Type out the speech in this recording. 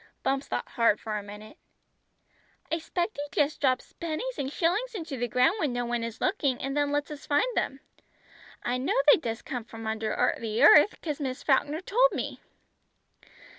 Bumps thought hard for a minute. "I 'spect He just drops pennies and shillings into the ground when no one is looking, and then lets us find them. I know they does come from under the earth, becauth Miss Falkner told me."